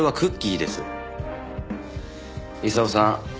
功さん